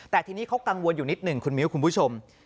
แต่ทีนี้เขากังวลอยู่นิดหนึ่งคุณมิ้วคุณผู้ชม